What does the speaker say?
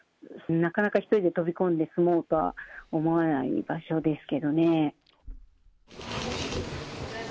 なかなか１人で飛び込んで住もうとは思わない場所ですけどね。